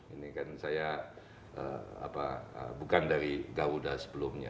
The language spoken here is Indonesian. ini kan saya bukan dari garuda sebelumnya